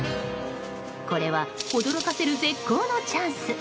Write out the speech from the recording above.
これは驚かせる絶好のチャンス。